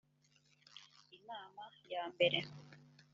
inama ya mbere